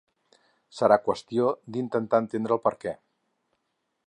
Serà qüestió d’intentar entendre el perquè.